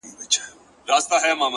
چي مي دا خپلي شونډي!